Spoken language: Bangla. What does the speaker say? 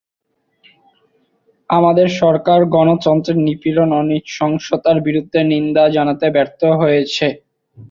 আমাদের সরকার গণতন্ত্রের নিপীড়ন এবং নৃশংসতার বিরুদ্ধে নিন্দা জানাতে ব্যর্থ হয়েছে।